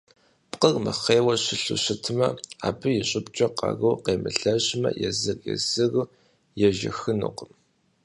Пкъыр мыхъейуэ щылъу щытмэ, абы и щӏыбкӏэ къару къемылэжьмэ, езыр-езыру ежьэнукъым.